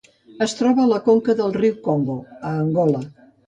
Es troba a la conca del riu Congo a Angola.